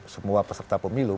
semua peserta pemilu